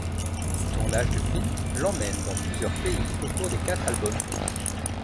Ses tournages de film l'emmènent dans plusieurs pays au cours des quatre albums publiés.